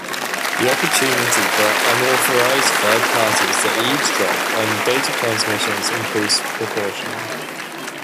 The opportunity for unauthorized third parties to eavesdrop on data transmissions increased proportionally.